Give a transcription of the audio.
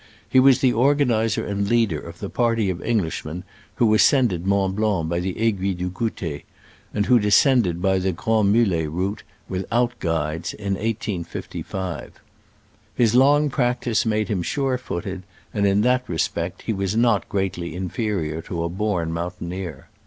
He was the or ganizer and leader of the party of Englishmen who ascended Mont Blanc by the Aiguille du Gouter, and descended by the Grands Mulets route, without guides, in 1855. His long practice made him sure footed, and in that respect he was not greatly inferior to a born mountaineer.